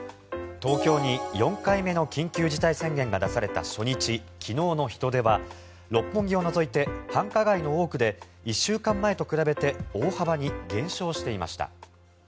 東京に４回目の緊急事態宣言が出された初日昨日の人出は六本木を除いて繁華街の多くで１週間前と比べて大幅に減少していました。